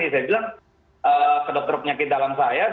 saya bilang ke dokter penyakit dalam saya